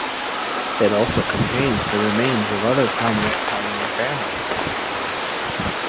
It also contains the remains of other prominent pioneer families.